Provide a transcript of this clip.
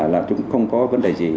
là chúng không có vấn đề gì